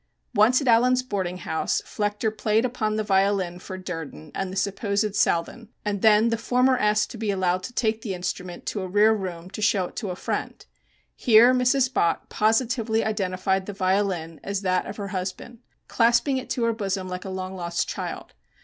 Once at Allen's boarding house Flechter played upon the violin for Durden and the supposed Southan, and then the former asked to be allowed to take the instrument to a rear room and show it to a friend. Here Mrs. Bott, positively identified the violin as that of her husband, clasping it to her bosom like a long lost child.